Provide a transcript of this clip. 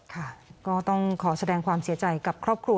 ค่ะก็ต้องขอแสดงความเสียใจกับครอบครัว